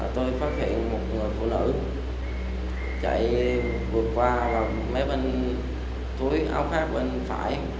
tôi phát hiện một người phụ nữ chạy vượt qua và mấy bên túi áo khát bên phải